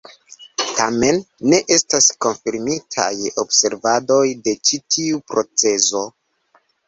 Tamen, ne estas konfirmitaj observadoj de ĉi tiu procezo.